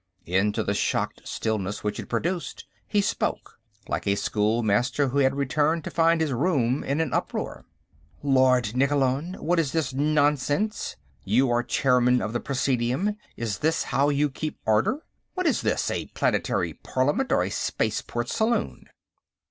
Into the shocked stillness which it produced, he spoke, like a schoolmaster who has returned to find his room in an uproar: "Lord Nikkolon; what is this nonsense? You are Chairman of the Presidium; is this how you keep order here? What is this, a planetary parliament or a spaceport saloon?"